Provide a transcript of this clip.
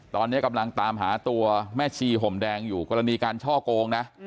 ตอนนี้กำลังตามหาตัวแม่ชีห่มแดงอยู่กรณีการช่อโกงนะ